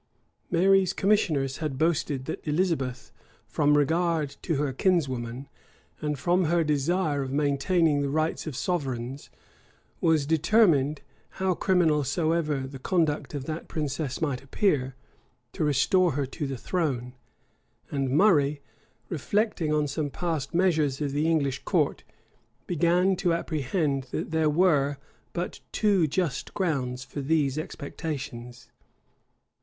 Mary's commissioners had boasted that Elizabeth, from regard to her kinswoman, and from her desire of maintaining the rights of sovereigns, was determined, how criminal soever the conduct of that princess might appear, to restore her to the throne;[] and Murray, reflecting on some past measures of the English court, began to apprehend that there were but too just grounds for these expectations.